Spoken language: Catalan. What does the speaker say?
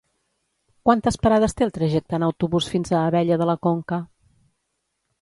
Quantes parades té el trajecte en autobús fins a Abella de la Conca?